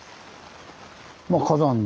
まあ火山の。